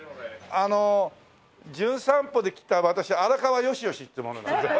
あの『じゅん散歩』で来た私荒川良々って者なんですけど。